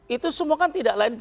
itu semua kan tidak lain